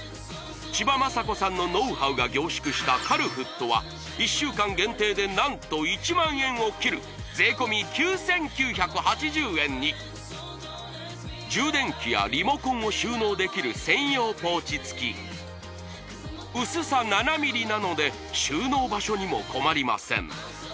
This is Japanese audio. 千葉真子さんのノウハウが凝縮したカルフットは１週間限定で何と１万円を切る税込９９８０円に充電器やリモコンを収納できる専用ポーチ付き薄さ７ｍｍなので収納場所にも困りません